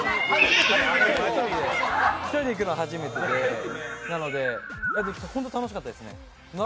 １人で行くのは初めてで、本当に楽しかったですね。